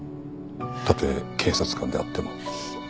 たとえ警察官であっても。